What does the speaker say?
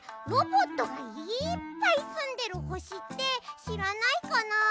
ロボットがいっぱいすんでるほしってしらないかな？